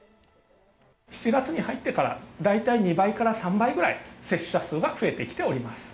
７月に入ってから、大体２倍から３倍くらい接種者数は増えてきております。